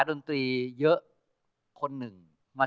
โปรดติดตามต่อไป